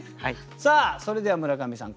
さあそれでは村上さん